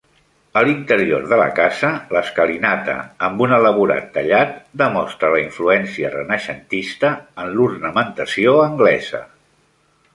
A l'interior de la casa, l'escalinata, amb un elaborat tallat, demostra la influència renaixentista en l'ornamentació anglesa.